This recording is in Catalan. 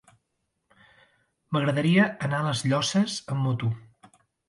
M'agradaria anar a les Llosses amb moto.